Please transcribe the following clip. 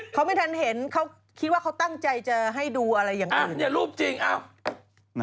เขาไม่ทันเห็นเขาคิดว่าเขาตั้งใจจะให้ดูอะไรอย่างนั้น